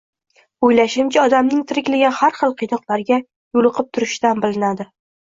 O‘ylashimcha, odamning tirikligi har xil qiynoqlarga yo‘liqib turishidan bilinadi